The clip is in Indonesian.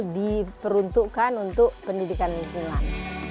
diperuntukkan untuk pendidikan lingkungan